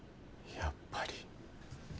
やっぱり。